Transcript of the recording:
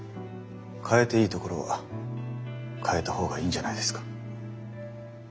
変えていいところは変えた方がいいんじゃないですか？